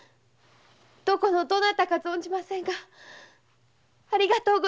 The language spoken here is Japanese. どこのどなたか存じませんがありがとうございました。